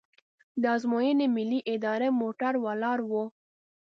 د ازموینې ملي ادارې موټر ولاړ و.